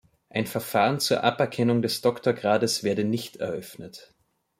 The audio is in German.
Ein Verfahren zur Aberkennung des Doktorgrades werde nicht eröffnet.